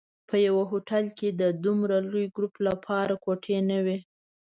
په یوه هوټل کې د دومره لوی ګروپ لپاره کوټې نه وې.